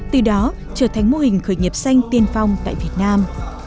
từ đó trở thành mô hình khởi nghiệp xanh tiên phong tại việt nam